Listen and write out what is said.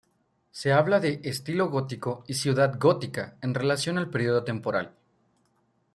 Se habla de "estilo gótico" y "ciudad gótica" en relación al período temporal.